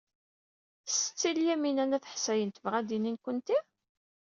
Setti Lyamina n At Ḥsayen tebɣa ad d-tini nekkenti?